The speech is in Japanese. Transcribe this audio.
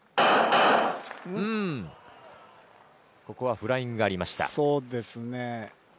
ここはフライングがありました。